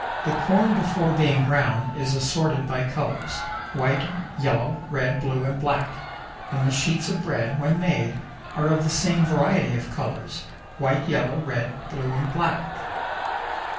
The corn before being ground is assorted by colors, white, yellow, red, blue, and black, and the sheets of bread, when made, are of the same variety of colors, white, yellow, red, blue, and black.